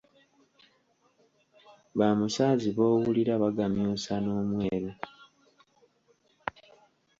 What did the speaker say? "Ba Musaazi b’owulira, bagamyusa n'omweru."